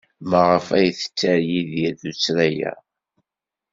Maɣef ay tetter Yidir tuttra-a?